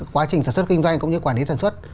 quá trình sản xuất kinh doanh cũng như quản lý sản xuất